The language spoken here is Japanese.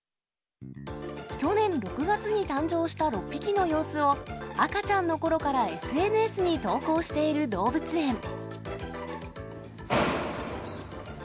去年６月に誕生した６匹の様子を、赤ちゃんのころからＳＮＳに投稿している動物園。